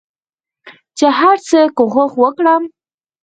چې هرڅه کوښښ وکړ